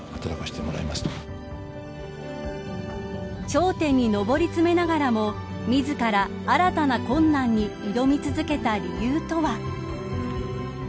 頂点に上り詰めながらも自ら新たな困難に挑み続けた理由とは。